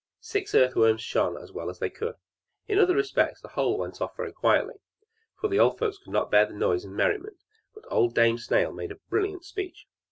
Six earth worms shone as well as they could. In other respects the whole went off very quietly, for the old folks could not bear noise and merriment; but old Dame Snail made a brilliant speech.